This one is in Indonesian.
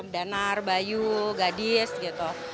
danar bayu gadis gitu